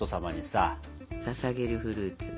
ささげるフルーツ。